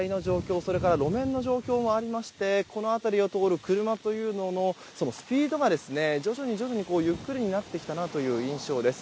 それから路面の状況もあってこの辺りを通る車のスピードが徐々に徐々にゆっくりになってきた印象です。